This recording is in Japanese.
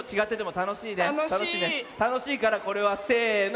たのしいからこれはせの。